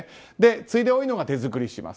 次いで多いのが手作りします。